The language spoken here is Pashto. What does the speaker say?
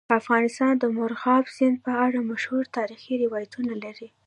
افغانستان د مورغاب سیند په اړه مشهور تاریخي روایتونه لري.